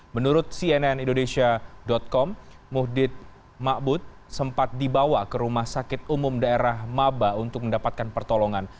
menurut cnn indonesia com muhdin ma'bud sempat dibawa ke rumah sakit umum daerah mabah untuk mendapatkan pertolongan